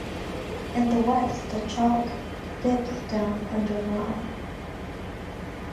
In the west the chalk dips down under marl.